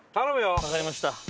わかりました。